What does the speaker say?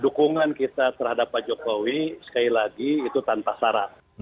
dukungan kita terhadap pak jokowi sekali lagi itu tanpa syarat